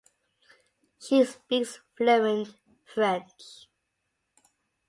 She speaks fluent French.